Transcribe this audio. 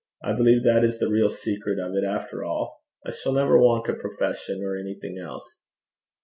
I believe that is the real secret of it after all. I shall never want a profession or anything else.'